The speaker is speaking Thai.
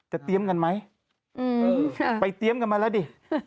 เตรียมกันไหมไปเตรียมกันมาแล้วดิ